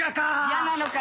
嫌なのか？